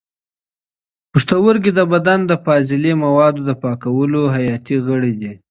پښتورګي د بدن د فاضله موادو د پاکولو حیاتي غړي دي.